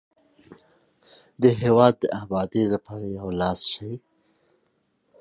د هیواد د ابادۍ لپاره یو لاس شئ.